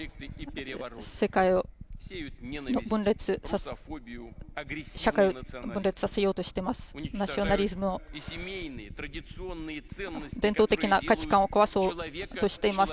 世界の分裂、社会を分裂させようとしていますナショナリズムを、伝統的な価値観を壊そうとしています。